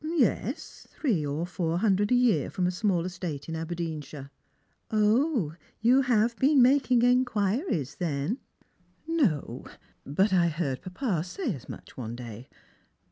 " Yes ; three or four hundred a year from a small estate in Aberdeenshire." " 0, you have been making inquiries, then P " "No; but I heard papa say as much, one day.